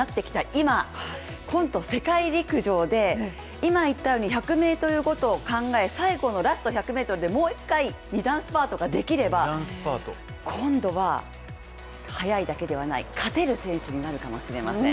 今今度世界陸上で、今言ったように１００ｍごとのことを考え、最後のラスト１００ｍでもう一回２段スパートができれば今度は速いだけではない勝てる選手になるかもしれません。